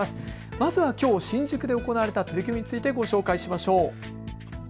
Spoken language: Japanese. まずはきょう新宿で行われた取り組みについてご紹介しましょう。